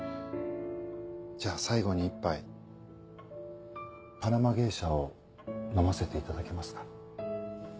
じゃあ最後に一杯パナマゲイシャを飲ませて頂けますか？